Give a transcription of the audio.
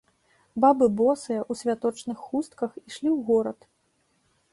Бабы босыя, у святочных хустках, ішлі ў горад.